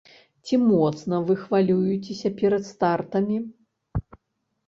Ці моцна вы хвалюецеся перад стартамі?